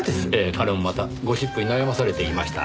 彼もまたゴシップに悩まされていました。